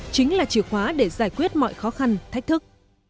chính là chìa khóa để giải quyết mọi khó khăn thách thức